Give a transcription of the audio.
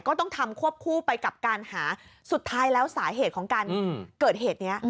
ก็ต้องทำควบคู่ไปกับการหาสุดท้ายแล้วสาเหตุของการเกิดเหตุนี้